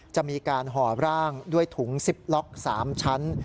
จะมีการห่อร่างด้วยถุง๑๐ล็อก๓ชั้น